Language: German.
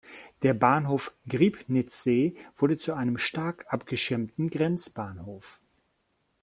Der Bahnhof Griebnitzsee wurde zu einem stark abgeschirmten Grenzbahnhof.